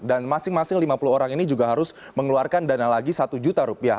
dan masing masing lima puluh orang ini juga harus mengeluarkan dana lagi satu juta rupiah